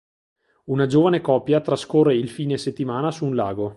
Una giovane coppia trascorre il fine settimana su un lago.